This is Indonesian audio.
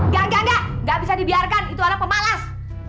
gak gak gak gak bisa dibiarkan itu anak pemalas